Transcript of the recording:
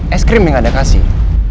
es krim yang anda kasih